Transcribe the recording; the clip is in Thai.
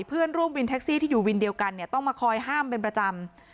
เพื่อนร่วมวินแท็กซี่ที่อยู่วินเดียวกันเนี่ยต้องมาคอยห้ามเป็นประจำ